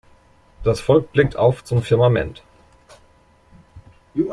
Das Volk blickt auf zum Firmament.